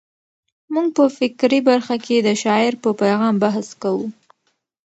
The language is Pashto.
موږ په فکري برخه کې د شاعر په پیغام بحث کوو.